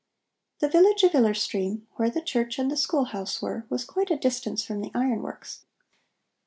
The village of Iller Stream, where the church and the school house were, was quite a distance from the iron works.